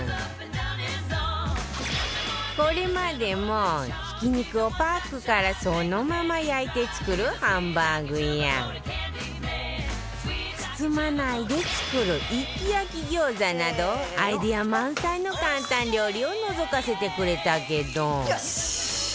これまでもひき肉をパックからそのまま焼いて作るハンバーグや包まないで作る一気焼き餃子などアイデア満載の簡単料理をのぞかせてくれたけど